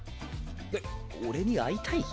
えっ俺に会いたい？